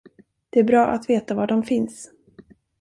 Det är bra att veta var de finns!